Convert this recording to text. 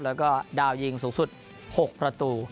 และก็ดาวยิงสูตร๖ประตู